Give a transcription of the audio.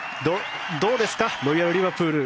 どうですかロイヤル・リバプール。